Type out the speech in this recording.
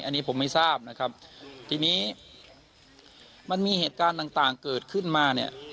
อันนี้ผมไม่ทราบนะครับทีนี้มันมีเหตุการณ์ต่างต่างเกิดขึ้นมาเนี่ย